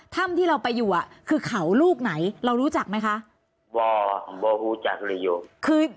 ทำที่เราไปอยู่อ่ะคือเขาลูกไหนเรารู้จักไหมคะคือ